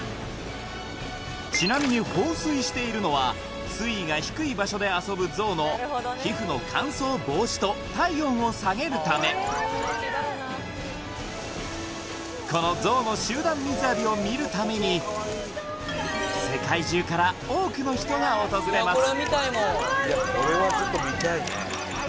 ちなみに放水しているのは水位が低い場所で遊ぶゾウの皮膚の乾燥防止と体温を下げるためこのゾウの集団水浴びを見るために世界中から多くの人が訪れますＨｉ！